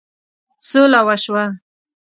سوله وشوه.